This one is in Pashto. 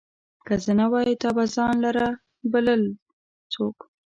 که زه نه وای، تا به ځان لره بلل څوک